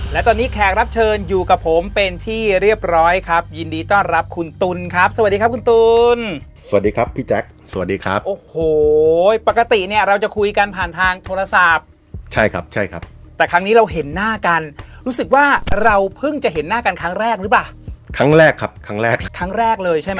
และตอนนี้แขกรับเชิญอยู่กับผมเป็นที่เรียบร้อยครับยินดีต้อนรับคุณตุ๋นครับสวัสดีครับคุณตุ๋นสวัสดีครับพี่แจ๊คสวัสดีครับโอ้โหปกติเนี่ยเราจะคุยกันผ่านทางโทรศัพท์ใช่ครับใช่ครับแต่ครั้งนี้เราเห็นหน้ากันรู้สึกว่าเราเพิ่งจะเห็นหน้ากันครั้งแรกหรือเปล่าครั้งแรกครับครั้งแรกครั้งแรกเลยใช่ไหม